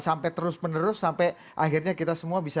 sampai terus menerus sampai akhirnya kita semua bisa